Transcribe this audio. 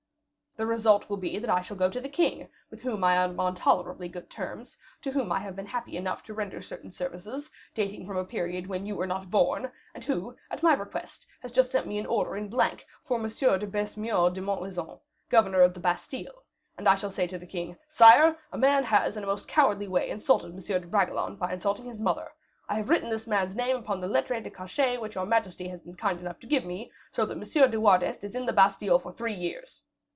"The result will be that I shall go to the king, with whom I am on tolerably good terms, to whom I have been happy enough to render certain services, dating from a period when you were not born, and who, at my request, has just sent me an order in blank for M. Baisemeaux de Montlezun, governor of the Bastile; and I shall say to the king: 'Sire, a man has in a most cowardly way insulted M. de Bragelonne by insulting his mother; I have written this man's name upon the lettre de cachet which your majesty has been kind enough to give me, so that M. de Wardes is in the Bastile for three years."